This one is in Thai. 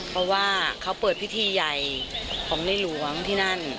เพราะว่าเขาเปิดพิธีใหญ่ของในหลวงที่นั่น